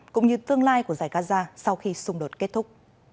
cũng như tương lai của giải gaza sau khi xung đột kết thúc